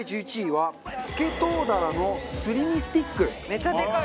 めちゃでかい！